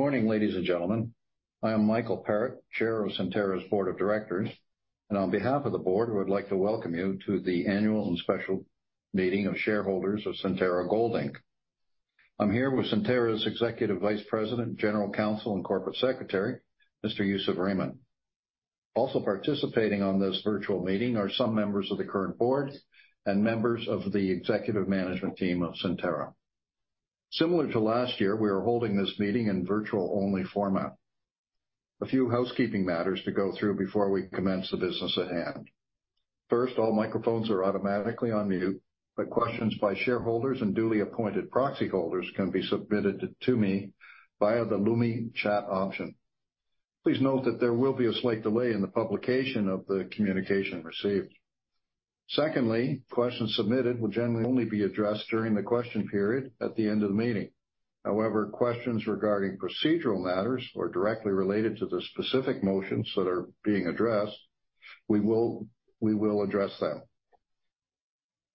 Morning, ladies and gentlemen. I am Michael Parrett, Chair of Centerra's Board of Directors. On behalf of the board, I would like to welcome you to the Annual and Special Meeting of Shareholders of Centerra Gold Inc I'm here with Centerra's Executive Vice President, General Counsel, and Corporate Secretary, Mr. Yousef Rehman. Also participating on this virtual meeting are some members of the current board and members of the executive management team of Centerra. Similar to last year, we are holding this meeting in virtual-only format. A few housekeeping matters to go through before we commence the business at hand. First, all microphones are automatically on mute, questions by shareholders and duly appointed proxy holders can be submitted to me via the Lumi chat option. Please note that there will be a slight delay in the publication of the communication received. Secondly, questions submitted will generally only be addressed during the question period at the end of the meeting. However, questions regarding procedural matters or directly related to the specific motions that are being addressed, we will address them.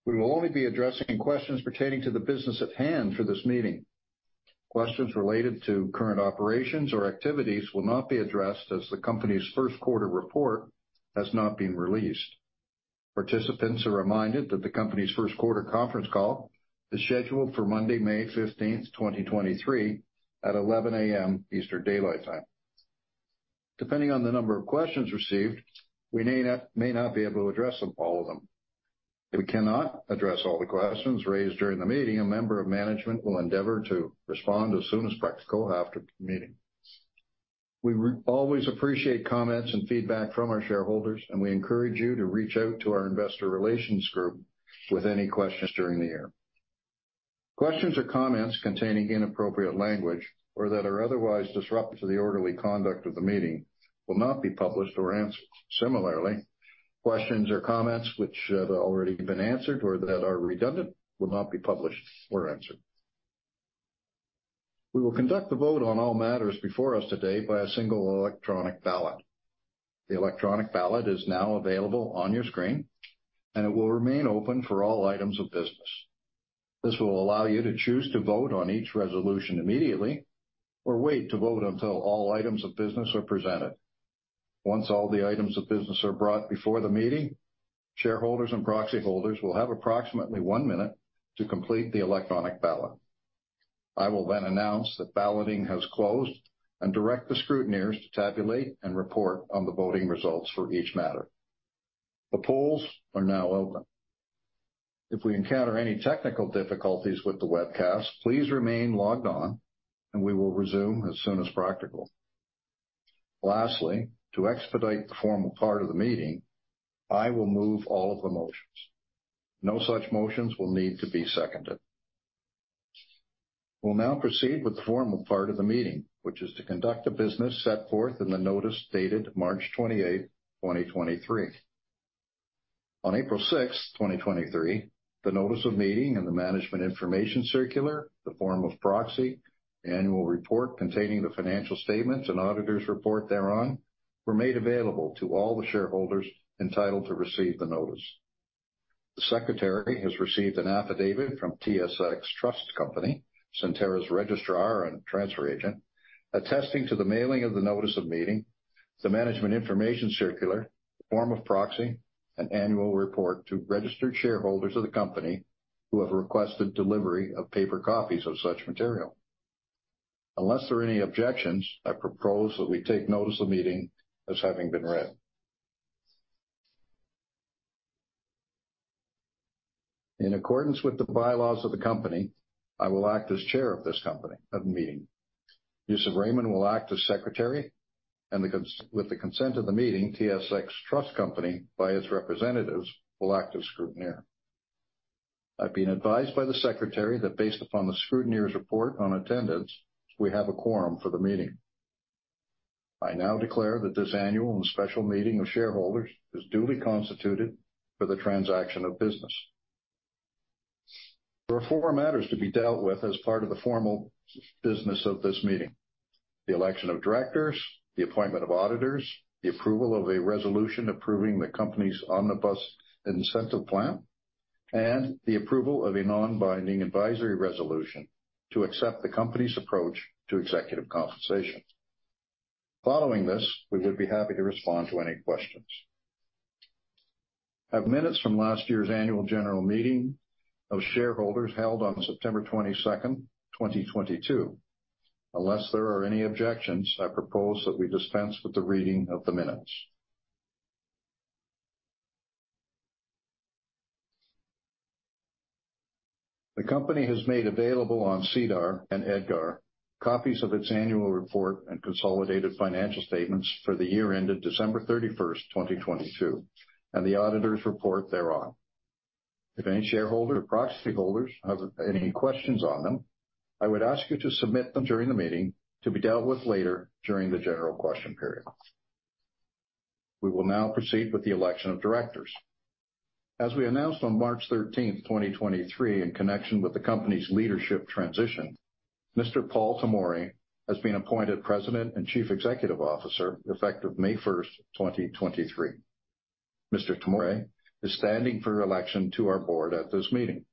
We will only be addressing questions pertaining to the business at hand for this meeting. Questions related to current operations or activities will not be addressed as the company's first quarter report has not been released. Participants are reminded that the company's first quarter conference call is scheduled for Monday, May 15th, 2023 at 11:00 A.M. Eastern Daylight Time. Depending on the number of questions received, we may not be able to address them, all of them. If we cannot address all the questions raised during the meeting, a member of management will endeavor to respond as soon as practical after the meeting. We always appreciate comments and feedback from our shareholders. We encourage you to reach out to our investor relations group with any questions during the year. Questions or comments containing inappropriate language or that are otherwise disruptive to the orderly conduct of the meeting will not be published or answered. Similarly, questions or comments which have already been answered or that are redundant will not be published or answered. We will conduct the vote on all matters before us today by a single electronic ballot. The electronic ballot is now available on your screen. It will remain open for all items of business. This will allow you to choose to vote on each resolution immediately or wait to vote until all items of business are presented. Once all the items of business are brought before the meeting, shareholders and proxy holders will have approximately one minute to complete the electronic ballot. I will then announce that balloting has closed and direct the scrutineers to tabulate and report on the voting results for each matter. The polls are now open. If we encounter any technical difficulties with the webcast, please remain logged on, and we will resume as soon as practical. Lastly, to expedite the formal part of the meeting, I will move all of the motions. No such motions will need to be seconded. We'll now proceed with the formal part of the meeting, which is to conduct the business set forth in the notice dated March 28, 2023. On April sixth, 2023, the notice of meeting and the Management Information Circular, the form of proxy, annual report containing the financial statements and auditor's report thereon, were made available to all the shareholders entitled to receive the notice. The Secretary has received an affidavit from TSX Trust Company, Centerra's registrar and transfer agent, attesting to the mailing of the notice of meeting, the Management Information Circular, the form of proxy, and annual report to registered shareholders of the company who have requested delivery of paper copies of such material. Unless there are any objections, I propose that we take note of the meeting as having been read. In accordance with the bylaws of the company, I will act as chair of this company meeting. Yousef Rehman will act as Secretary. With the consent of the meeting, TSX Trust Company, by its representatives, will act as scrutineer. I've been advised by the Secretary that based upon the scrutineer's report on attendance, we have a quorum for the meeting. I now declare that this annual and special meeting of shareholders is duly constituted for the transaction of business. There are four matters to be dealt with as part of the formal business of this meeting. The election of directors, the appointment of auditors, the approval of a resolution approving the company's Omnibus Incentive Plan, and the approval of a non-binding advisory resolution to accept the company's approach to executive compensation. Following this, we would be happy to respond to any questions. I have minutes from last year's annual general meeting of shareholders held on September 22nd, 2022. Unless there are any objections, I propose that we dispense with the reading of the minutes. The company has made available on SEDAR and EDGAR copies of its annual report and consolidated financial statements for the year ended December 31, 2022, and the auditor's report thereon. If any shareholder or proxy holders have any questions on them, I would ask you to submit them during the meeting to be dealt with later during the general question period. We will now proceed with the election of directors. As we announced on March 13, 2023, in connection with the company's leadership transition, Mr. Paul Tomory has been appointed President and Chief Executive Officer, effective May 1, 2023. Mr. Tomory is standing for election to our board at this meeting.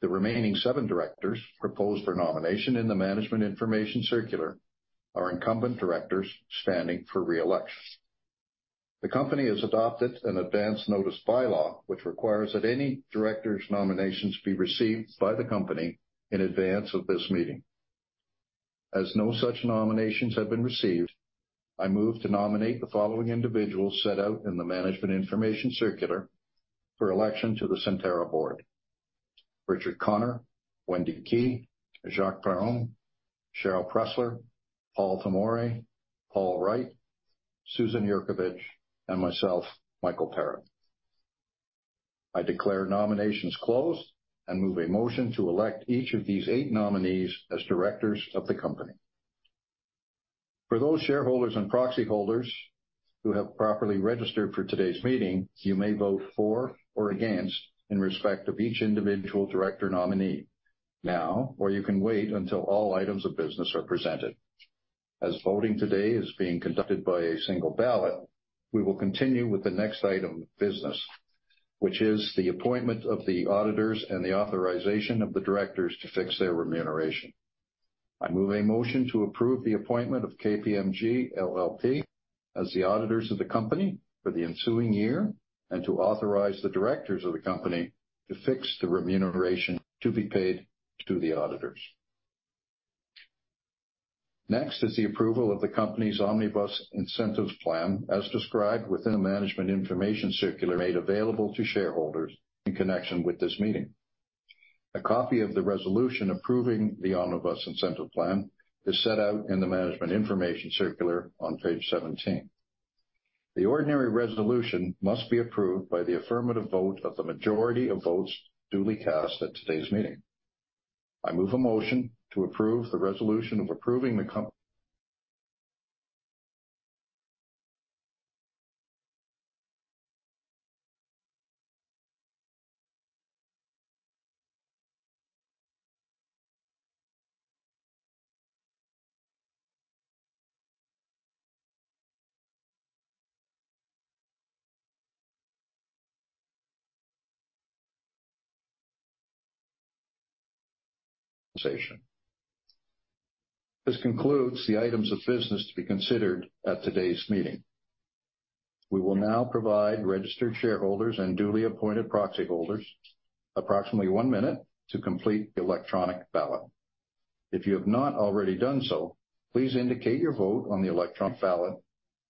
The remaining seven directors proposed for nomination in the Management Information Circular are incumbent directors standing for re-election. The company has adopted an advance notice bylaw, which requires that any directors' nominations be received by the company in advance of this meeting. As no such nominations have been received, I move to nominate the following individuals set out in the Management Information Circular for election to the Centerra board. Richard Connor, Wendy Kei, Jacques Perron, Sheryl Pressler, Paul Tomory, Paul Wright, Susan Yurkovich, and myself, Michael Parrett. I declare nominations closed and move a motion to elect each of these eight nominees as directors of the company. For those shareholders and proxy holders who have properly registered for today's meeting, you may vote for or against in respect of each individual director nominee now, or you can wait until all items of business are presented. As voting today is being conducted by a single ballot, we will continue with the next item of business, which is the appointment of the auditors and the authorization of the directors to fix their remuneration. I move a motion to approve the appointment of KPMG LLP as the auditors of the company for the ensuing year, and to authorize the directors of the company to fix the remuneration to be paid to the auditors. Next is the approval of the company's Omnibus Incentive Plan as described within the Management Information Circular made available to shareholders in connection with this meeting. A copy of the resolution approving the Omnibus Incentive Plan is set out in the Management Information Circular on page 17. The ordinary resolution must be approved by the affirmative vote of the majority of votes duly cast at today's meeting. I move a motion to approve the resolution of approving the. This concludes the items of business to be considered at today's meeting. We will now provide registered shareholders and duly appointed proxy holders approximately one minute to complete the electronic ballot. If you have not already done so, please indicate your vote on the electronic ballot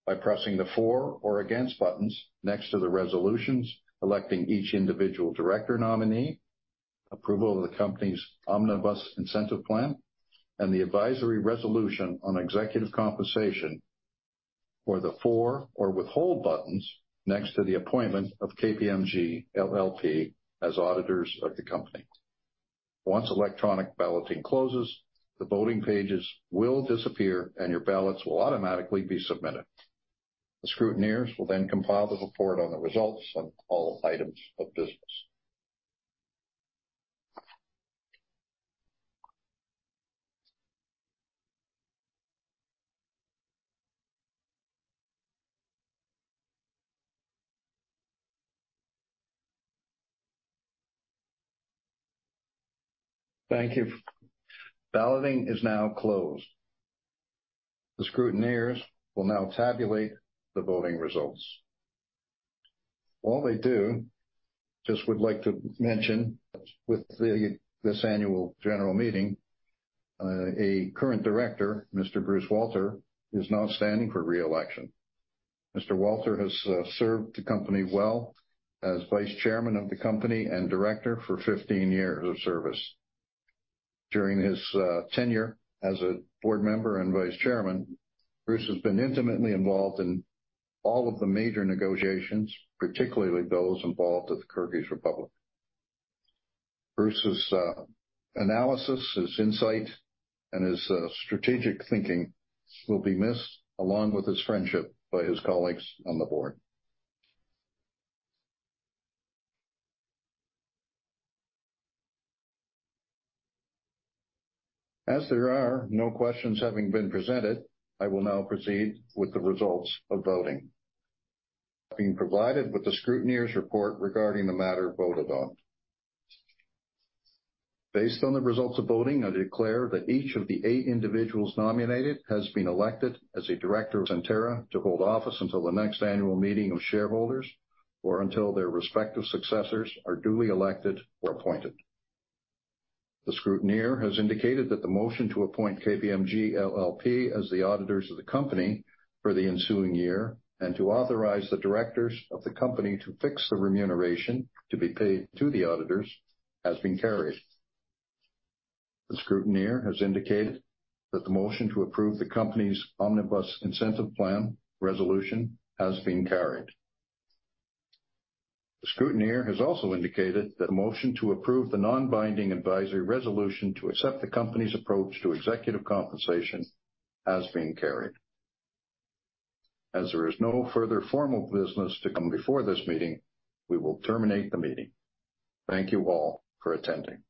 by pressing the for or against buttons next to the resolutions electing each individual director nominee, approval of the company's Omnibus Incentive Plan, and the advisory resolution on executive compensation, or the for or withhold buttons next to the appointment of KPMG LLP as auditors of the company. Once electronic balloting closes, the voting pages will disappear, and your ballots will automatically be submitted. The scrutineers will compile the report on the results on all items of business. Balloting is now closed. The scrutineers will now tabulate the voting results. While they do, just would like to mention with the, this annual general meeting, a current director, Mr. Bruce Walter, is not standing for re-election. Mr. Walter has served the company well as vice chairman of the company and director for 15 years of service. During his tenure as a board member and vice chairman, Bruce has been intimately involved in all of the major negotiations, particularly those involved with the Kyrgyz Republic. Bruce's analysis, his insight, and his strategic thinking will be missed, along with his friendship, by his colleagues on the board. As there are no questions having been presented, I will now proceed with the results of voting. Being provided with the scrutineer's report regarding the matter voted on. Based on the results of voting, I declare that each of the eight individuals nominated has been elected as a director of Centerra to hold office until the next annual meeting of shareholders or until their respective successors are duly elected or appointed. The scrutineer has indicated that the motion to appoint KPMG LLP as the auditors of the company for the ensuing year, and to authorize the directors of the company to fix the remuneration to be paid to the auditors, has been carried. The scrutineer has indicated that the motion to approve the company's Omnibus Incentive Plan resolution has been carried. The scrutineer has also indicated that a motion to approve the non-binding advisory resolution to accept the company's approach to executive compensation has been carried. As there is no further formal business to come before this meeting, we will terminate the meeting. Thank you all for attending.